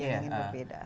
yang ingin berbeda